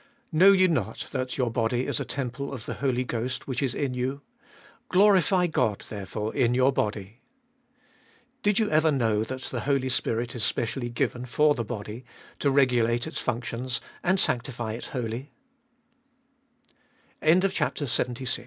3. "Know ye not that your body is a temple of the Holy Ghost, which is in you ? Glorify God, therefore, In your body." Did you ever know that the Holy Spirit Is specially gluen for the body , to regulate its functions and sanctify it w